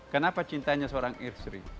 kenapa cintanya seorang istri